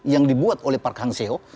yang dibuat oleh park hang seo